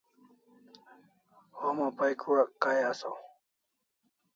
Homa pay q'uak kai asaw